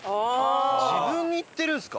自分に言ってるんですか？